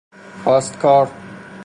کاستکار